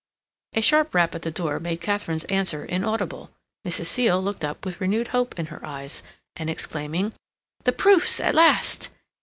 A sharp rap at the door made Katharine's answer inaudible. Mrs. Seal looked up with renewed hope in her eyes, and exclaiming: "The proofs at last!"